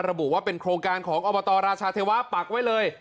ระบุว่าเป็นโครงการของอบตราชาเทวะปักไว้เลย